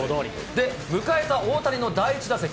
で、迎えた大谷の第１打席。